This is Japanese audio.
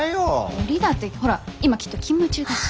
無理だってほら今きっと勤務中だし。